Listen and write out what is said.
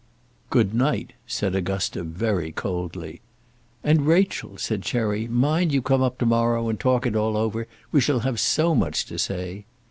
"Good night," said Augusta very coldly. "And Rachel," said Cherry, "mind you come up to morrow and talk it all over; we shall have so much to say."